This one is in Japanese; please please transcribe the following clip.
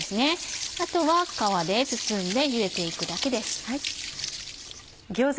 あとは皮で包んでゆでていくだけです。